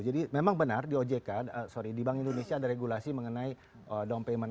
jadi memang benar di ojk sorry di bank indonesia ada regulasi mengenai down payment